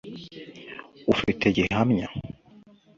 ufite gihamya